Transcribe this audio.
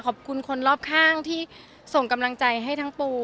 ขอบคุณคนรอบข้างที่ส่งกำลังใจให้ทั้งปู